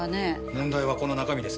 問題はこの中身です。